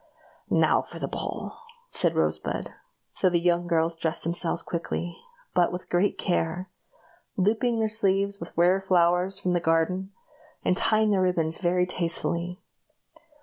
"Now for the ball!" said Rosebud. So the young girls dressed themselves quickly, but with great care looping their sleeves with rare flowers from the garden, and tying their ribbons very tastefully.